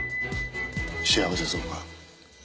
幸せそうか？